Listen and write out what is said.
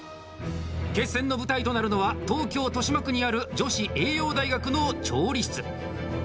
決戦の舞台となるのは東京・豊島区にある女子栄養大学の調理室。